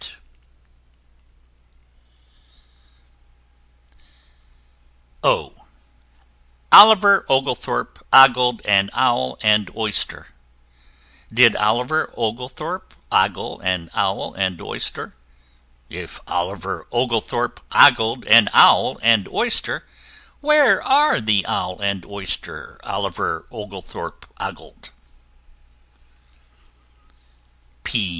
O o [Illustration: Oliver Oglethorpe] Oliver Oglethorpe ogled an Owl and Oyster: Did Oliver Oglethorpe ogle an Owl and Oyster? If Oliver Oglethorpe ogled an Owl and Oyster, Where are the Owl and Oyster Oliver Oglethorpe ogled?